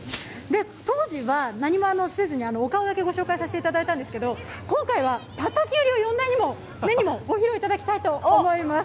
当時は何もせずにお顔だけご紹介させていただいたんですが今回は、４代目にもお披露目いただきたいと思います。